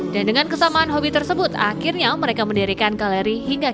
dan dengan kesamaan hobi tersebut akhirnya mereka mendirikan galeri hingga kini